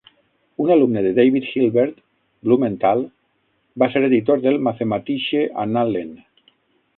Un alumne de David Hilbert, Blumenthal, va ser editor del Mathematische Annalen.